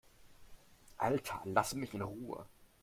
Alter, lass mich in Ruhe!